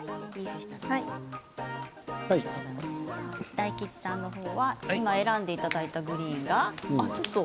大吉さんの方は、今選んでいただいたグリーンが。